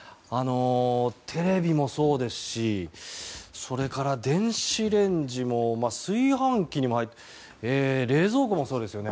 テレビもそうですしそれから電子レンジも、炊飯器も冷蔵庫もそうですよね。